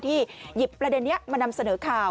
หยิบประเด็นนี้มานำเสนอข่าว